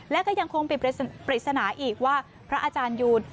และก็ยังคงปิดปริศนาอีกว่าพระอาจารยูน